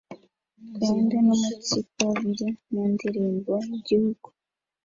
rwende numunsiko biri mu ndirimbo y’Igihugu